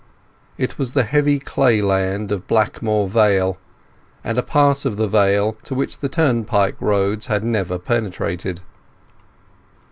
It was the heavy clay land of Blackmoor Vale, and a part of the Vale to which turnpike roads had never penetrated.